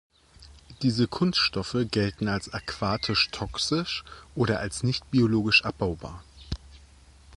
Diese Kunststoffe gelten als aquatisch toxisch oder als nicht biologisch abbaubar.